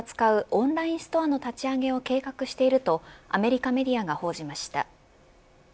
オンラインストアの立ち上げを計画しているとアメリカメディアが報じました。